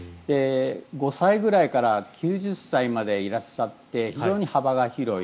５歳くらいから９０歳までいらっしゃって非常に幅が広い。